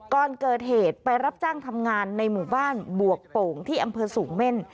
ก่อนเกิดเหตุไปรับจ้างทำงานในหมู่บ้านบวกโป่งที่อำเภอสูงเม่น